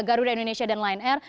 garuda indonesia dan lion air